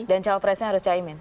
dan cawapresnya harus caimin